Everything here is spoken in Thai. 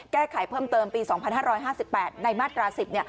แก้ไขเพิ่มเติมปี๒๕๕๘ในมาตรา๑๐